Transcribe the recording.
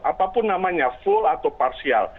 apapun namanya full atau parsial